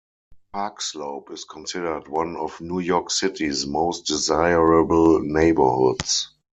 Park Slope is considered one of New York City's most desirable neighborhoods.